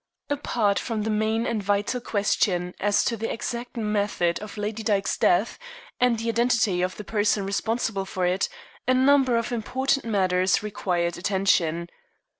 Apart from the main and vital question as to the exact method of Lady Dyke's death, and the identity of the person responsible for it, a number of important matters required attention.